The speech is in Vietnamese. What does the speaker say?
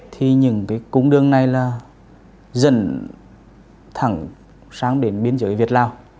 thì những cái cung đường này là dần thẳng sang đến biên giới việt lào